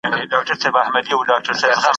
کله چې کتاب ملګری شي، فکر ژوروالی پیدا کوي.